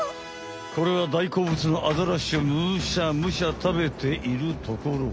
これはだいこうぶつのアザラシをムシャムシャたべているところ。